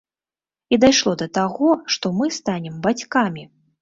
І дайшло да таго, што мы станем бацькамі!